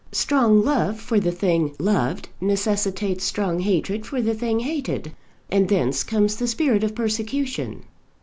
Strong love for the thing loved necessitates strong hatred for the thing hated, and thence comes the spirit of persecution.